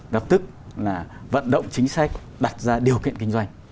lập tức là vận động chính sách đặt ra điều kiện kinh doanh